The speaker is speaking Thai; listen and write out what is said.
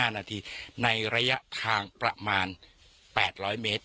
๕นาทีในระยะทางประมาณ๘๐๐เมตร